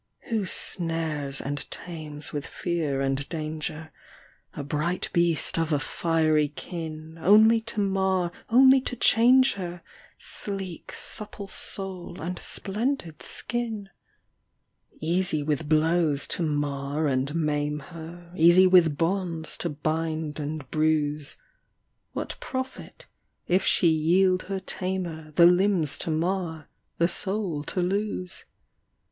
Who snares and tames with fear and danger A bright beast of a fiery kin. Only to mar, only to change her â¢ Sleek supple soul and splendid skin? 33 AT A MONTH'S END Easy with blows to mar and maim her, Easy with bonds to bind and bruise ; What profit, if she yield her tamer The limbs to mar, the soul to lose?